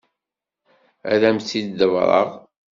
Ad am-t-id-ḍebbreɣ.